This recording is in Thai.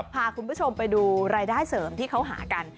พาคุณผู้ชมไปดูรายได้เสริมที่เขาหากัน